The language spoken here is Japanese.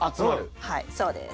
はいそうです。